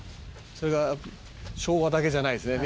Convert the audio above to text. それが昭和だけじゃないですね。